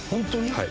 はい。